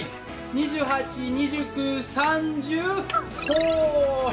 ２８２９３０ほい。